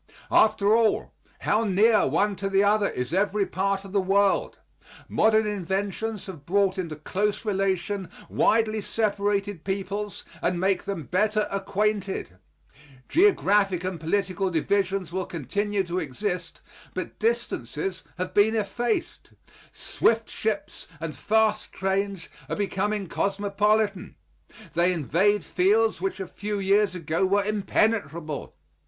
After all, how near one to the other is every part of the world. Modern inventions have brought into close relation widely separated peoples and make them better acquainted. Geographic and political divisions will continue to exist, but distances have been effaced. Swift ships and fast trains are becoming cosmopolitan. They invade fields which a few years ago were impenetrable.